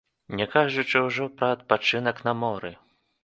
Не кажучы ўжо пра адпачынак на моры.